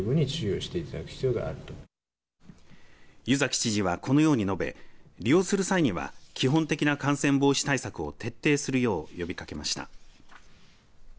湯崎知事は、このように述べ利用する際には基本的な感染防止対策を徹底するよう呼びかけました。